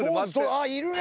あっいるね！